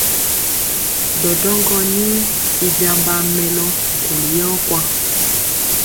Ɗɔɗɔŋgɔ ni i jambaa mɛnɔ nkuli yɔ kwaŋ.